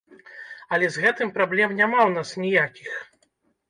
Але з гэтым праблем няма ў нас ніякіх!